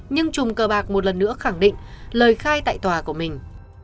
nhưng trùng cờ bạc một lần nữa khẳng định lời khai tại tòa của mình